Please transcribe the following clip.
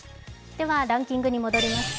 ではランキングに戻ります。